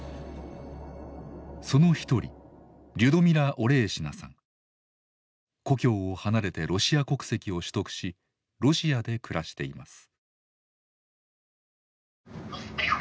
その一人故郷を離れてロシア国籍を取得しロシアで暮らしています。